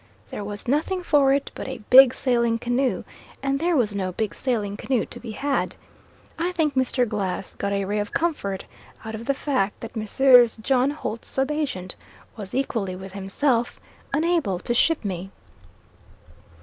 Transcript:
There was nothing for it but a big sailing canoe, and there was no big sailing canoe to be had. I think Mr. Glass got a ray of comfort out of the fact that Messrs. John Holt's sub agent was, equally with himself, unable to ship me.